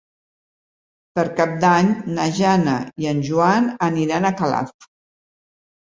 Per Cap d'Any na Jana i en Joan aniran a Calaf.